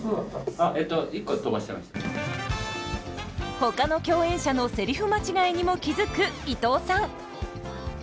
ほかの共演者のセリフ間違いにも気付く伊東さん。